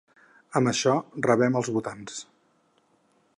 Amb això rebem els votants.